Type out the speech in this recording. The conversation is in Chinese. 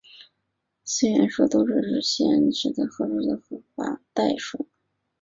四元数都只是有限维的实数结合除法代数。